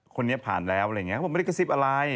คนนี้ผ่านแล้วอะไรอย่างนี้ผมไม่ได้กระซิบอะไร